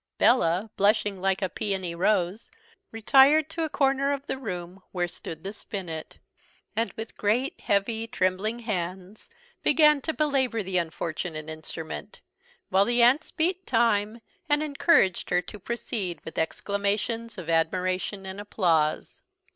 Bella, blushing like a peony rose, retired to a corner of the room, where stood the spinnet; and with great, heavy, trembling hands, began to belabour the unfortunate instrument, while the aunts beat time, and encouraged her to proceed with exclamations of admiration and applause.